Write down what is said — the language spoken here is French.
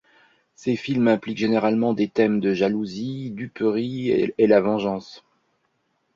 Ses films impliquent généralement des thèmes de jalousie, duperie et la vengeance.